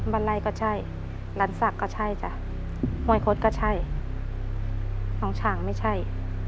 บ้านไล่ก็ใช่ลันศักดิ์ก็ใช่จ้ะห้วยคดก็ใช่น้องฉางไม่ใช่